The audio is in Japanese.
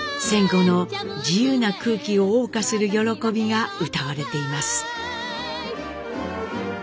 戦後の自由な空気をおう歌する喜びが歌われています。